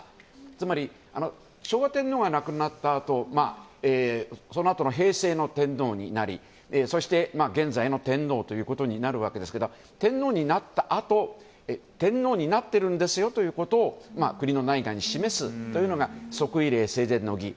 つまり昭和天皇が亡くなったあと平成の天皇になりそして現在の天皇となるわけですが天皇になったあと天皇になっているんですよということを国の内外に示すというのが即位礼正殿の儀。